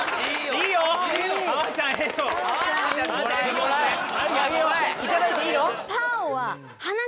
いただいていいよ！